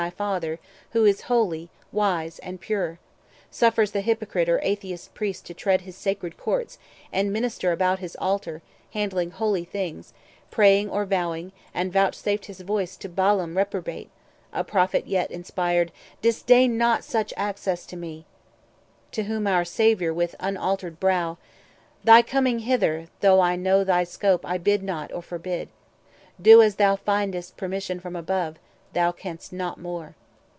Thy Father, who is holy, wise, and pure, Suffers the hypocrite or atheous priest To tread his sacred courts, and minister About his altar, handling holy things, Praying or vowing, and voutsafed his voice 490 To Balaam reprobate, a prophet yet Inspired: disdain not such access to me." To whom our Saviour, with unaltered brow:— "Thy coming hither, though I know thy scope, I bid not, or forbid. Do as thou find'st Permission from above; thou canst not more."